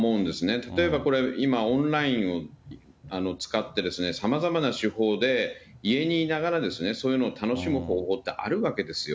例えばこれ、今、オンラインを使って、さまざまな手法で、家にいながら、そういうのを楽しむ方法ってあるわけですよ。